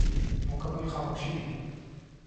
مکمل خاموشی تھی ۔